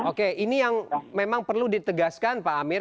oke ini yang memang perlu ditegaskan pak amir